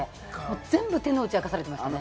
全部、手の内を明かされてましたね。